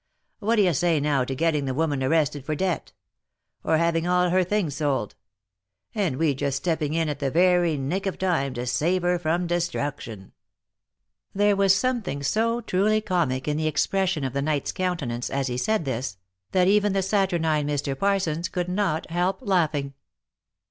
What d'ye say now to getting the woman arrested for debt ?— or having all her things sold ?— and we just stepping in at the very nick of time, to save her from destruction !" There was something so truly comic in the expression of the knight's countenance, as he said this, that even the saturnine Mr. Parsons could not help laughing.